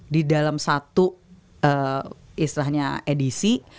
di dalam satu istilahnya edisi